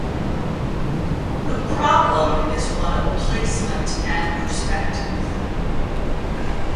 The problem is one of placement and perspective.